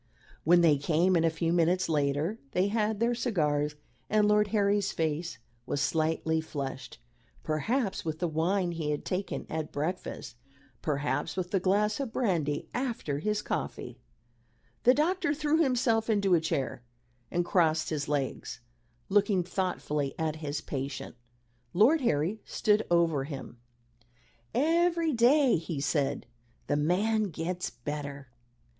When they came in a few minutes later, they had their cigars, and Lord Harry's face was slightly flushed, perhaps with the wine he had taken at breakfast perhaps with the glass of brandy after his coffee. The doctor threw himself into a chair and crossed his legs, looking thoughtfully at his patient. Lord Harry stood over him. "Every day," he said, "the man gets better."